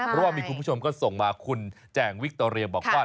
เพราะว่ามีคุณผู้ชมก็ส่งมาคุณแจ่งวิคโตเรียบอกว่า